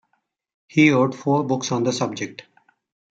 He wrote four books on the subject.